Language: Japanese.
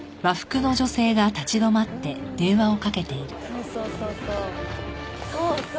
うんそうそうそうそう。